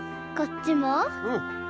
こっちも。